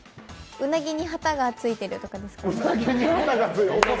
うなぎに旗がついてるとかですかね。